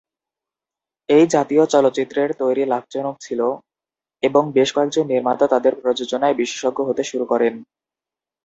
এই জাতীয় চলচ্চিত্রের তৈরি লাভজনক ছিল এবং বেশ কয়েকজন নির্মাতা তাদের প্রযোজনায় বিশেষজ্ঞ হতে শুরু করেন।